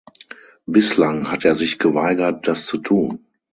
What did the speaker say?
Bislang hat er sich geweigert, das zu tun.